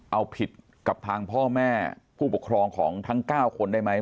เอาผิดกับทางพ่อแม่ผู้ปกครองของทั้ง๙คนได้ไหม